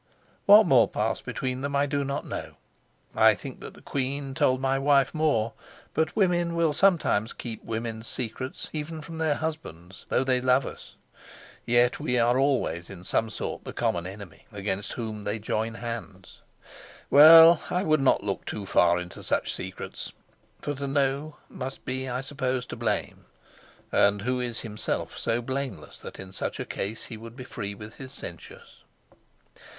What more passed between them I do not know. I think that the queen told my wife more, but women will sometimes keep women's secrets even from their husbands; though they love us, yet we are always in some sort the common enemy, against whom they join hands. Well, I would not look too far into such secrets, for to know must be, I suppose, to blame, and who is himself so blameless that in such a case he would be free with his censures?